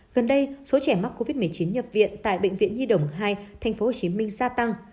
gần đây số trẻ mắc covid một mươi chín nhập viện tại bệnh viện nhi đồng hai tp hcm gia tăng